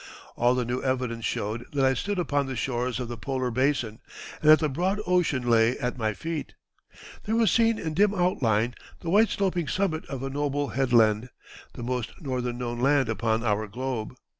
All the new evidence showed that I stood upon the shores of the polar basin, and that the broad ocean lay at my feet.... There was seen in dim outline the white sloping summit of a noble head land, the most northern known land upon our globe.